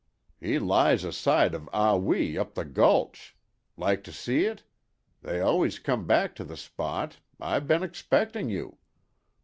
He lies aside of Ah Wee up the gulch. Like to see it? They always come back to the spot—I've been expectin' you.